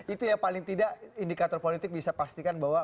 itu ya paling tidak indikator politik bisa pastikan bahwa